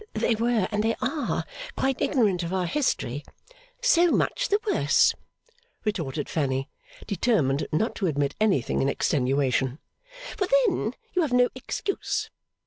They were, and they are, quite ignorant of our history.' 'So much the worse,' retorted Fanny, determined not to admit anything in extenuation, 'for then you have no excuse.